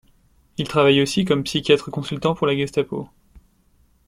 Il travaille aussi comme psychiatre consultant pour la Gestapo.